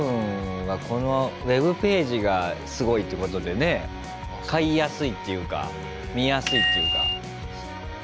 ＺＯＺＯＴＯＷＮはこのウェブページがすごいってことでね買いやすいっていうか見やすいっていうか。